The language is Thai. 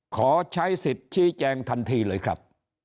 ขอใช้สิทธิ์ชี้แจงทันทีเลยครับ